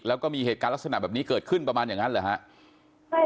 แล้วก็มีเหตุการณ์ลักษณะแบบนี้เกิดขึ้นประมาณอย่างนั้นเหรอครับ